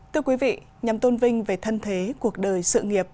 thưa quý vị nhằm tôn vinh về thân thế cuộc đời sự nghiệp